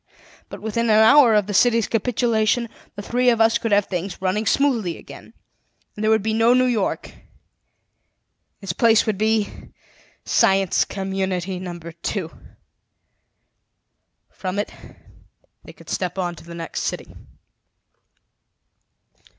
But, within an hour of the city's capitulation, the three of us could have things running smoothly again. And there would be no New York; in its place would be Science Community Number Two. From it they could step on to the next city."